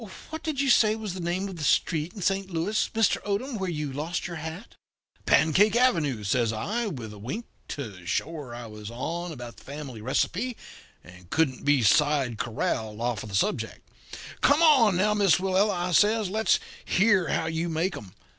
What did you say was the name of that street in Saint Louis, Mr. Odom, where you lost your hat?' "'Pancake Avenue,' says I, with a wink, to show her that I was on about the family receipt, and couldn't be side corralled off of the subject. 'Come, now, Miss Willella,' I says; 'let's hear how you make 'em.